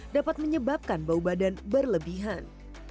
dapat menyebabkan bau badan berlebihan